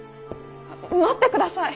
待ってください！